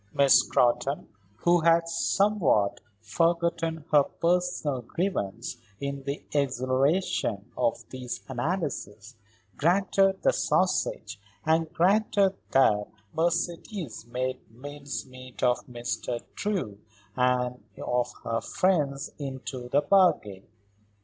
Miss Scrotton, who had somewhat forgotten her personal grievance in the exhilaration of these analyses, granted the sausage and granted that Mercedes made mincemeat of Mr. Drew and of her friends into the bargain.